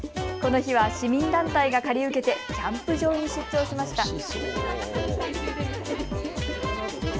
この日は市民団体が借り受けてキャンプ場に出張しました。